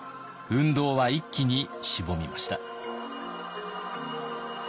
運動は一気にしぼみました。